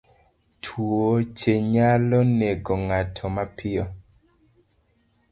Tuoche nyalo nego ng'ato mapiyo.